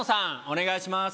お願いします。